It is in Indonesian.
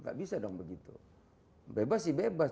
gak bisa dong begitu bebas sih bebas